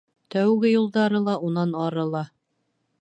Тәүге юлдары ла, унан ары ла.